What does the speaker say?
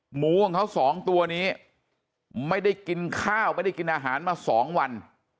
หมูของเขาสองตัวนี้ไม่ได้กินข้าวไม่ได้กินอาหารมา๒วัน